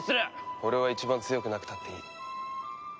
俺は一番強くなくたっていい。